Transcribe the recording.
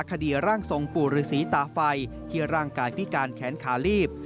คดีร่างทรงปู่ฤษีตาไฟที่ร่างกายพิการแขนขาลีบ